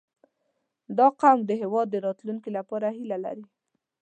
• دا قوم د هېواد د راتلونکي لپاره هیله لري.